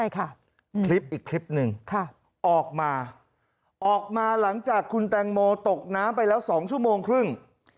คลิปอีกคลิปนึงออกมาหลังจากคุณแตงโมตกน้ำไปแล้ว๒ชั่วโมงครึ่ง